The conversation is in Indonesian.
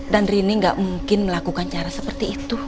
dan rini nggak mungkin melakukan cara seperti itu